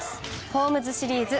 ホームズシリーズ